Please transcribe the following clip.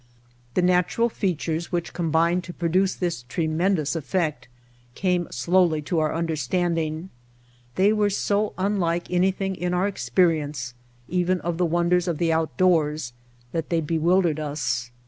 The natural features which combined to pro duce this tremendous effect came slowly to our understanding. They were so unlike anything in our experience, even of the wonders of the outdoors, that they bewildered us.